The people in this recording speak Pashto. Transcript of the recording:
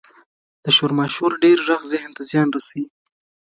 • د شور ماشور ډېر ږغ ذهن ته زیان رسوي.